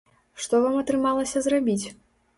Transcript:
Што вам атрымалася зрабіць?